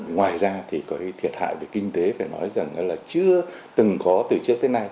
ngoài ra thì có thiệt hại về kinh tế phải nói rằng là chưa từng có từ trước tới nay